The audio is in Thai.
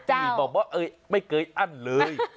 ที่แบบว่าไม่เคยอั้นเลย